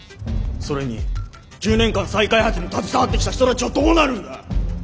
それに１０年間再開発に携わってきた人たちはどうなるんだ！